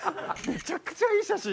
めちゃくちゃいい写真！